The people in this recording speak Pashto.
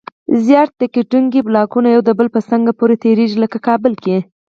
زیاره تکتونیکي بلاکونه یو د بل په څنګ پورې تېریږي. لکه کابل کې